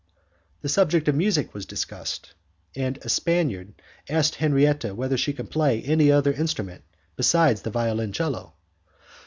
The subject of music was discussed, and a Spaniard asked Henriette whether she could play any other instrument besides the violoncello.